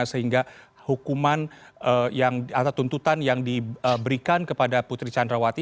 sehingga hukuman atau tuntutan yang diberikan kepada putri candrawati